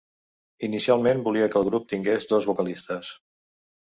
Inicialment volia que el grup tingués dos vocalistes.